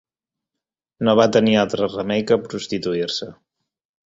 No va tenir altre remei que prostituir-se.